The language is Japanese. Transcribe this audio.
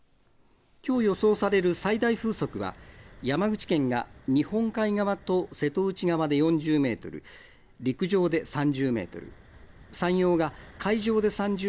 きょう予想される最大風速は、山口県が日本海側と瀬戸内側で４０メートル、陸上で３０メートル。